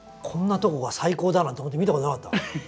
こんなとこが最高だなんて思って見たことなかった。